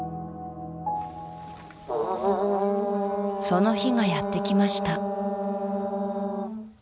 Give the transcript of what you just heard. その日がやってきました